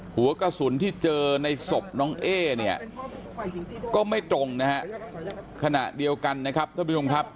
หัวกระสุนที่เจอในศพน้องเอ๊เนี่ยก็ไม่ตรงนะฮะขณะเดียวกันนะครับท่านผู้ชมครับ